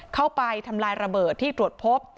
เข้าไปทำลายระเบิดที่ตรวจพบ